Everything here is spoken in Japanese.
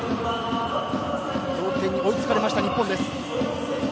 同点に追いつかれました日本です。